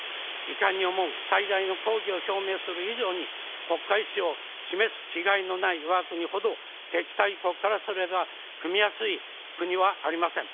遺憾に思う、最大の抗議を表明する以上に国家意志を示す気概のないわが国ほど敵対国からすれば組みやすい国はありません。